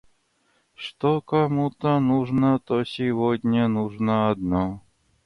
что кому-то нужно, то сегодня нужно одно